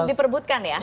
untuk diperbutkan ya